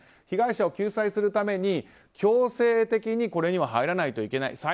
被害者を救済するために強制的にこれには入らないといけない。